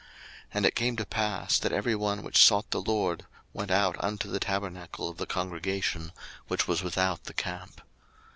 And it came to pass, that every one which sought the LORD went out unto the tabernacle of the congregation, which was without the camp.